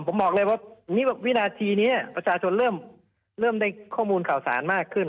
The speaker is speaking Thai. ผมบอกเลยว่าวินาทีนี้ประชาชนเริ่มได้ข้อมูลข่าวสารมากขึ้น